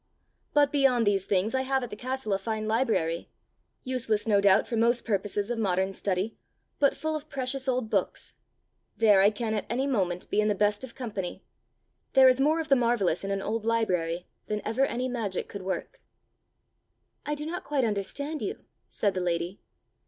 But beyond these things I have at the castle a fine library useless no doubt for most purposes of modern study, but full of precious old books. There I can at any moment be in the best of company! There is more of the marvellous in an old library than ever any magic could work!" "I do not quite understand you," said the lady.